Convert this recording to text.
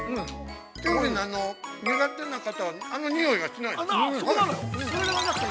◆キュウリの苦手な方はにおいがしないです。